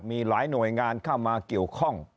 มีหลายหน่วยงานเข้ามาเกี่ยวข้อง